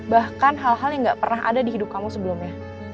bahkan hal hal yang gak pernah ada di hidup kamu sebelumnya